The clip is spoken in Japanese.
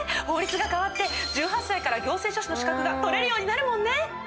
法律が変わって１８歳から行政書士の資格が取れるようになるもんね。